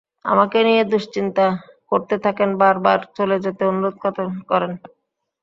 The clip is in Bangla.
আমাকে নিয়ে দুশ্চিন্তা করতে থাকেন, বারবার চলে যেতে অনুরোধ করেন।